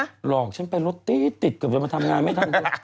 หลอกฉันไปรถตี๊ติดเกือบจะมาทำงานไม่ทัน